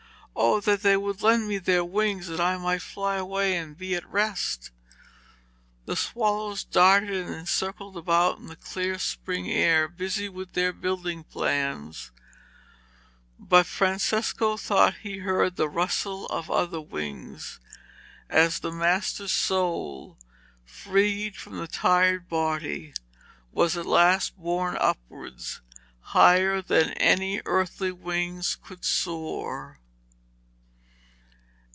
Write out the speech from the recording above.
Oh that they would lend me their wings that I might fly away and be at rest!' The swallows darted and circled about in the clear spring air, busy with their building plans, but Francesco thought he heard the rustle of other wings, as the master's soul, freed from the tired body, was at last borne upwards higher than any earthly wings could soar.